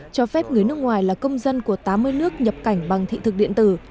cho phép người nước ngoài là công dân của tám mươi nước nhập cảnh bằng thị thực điện tử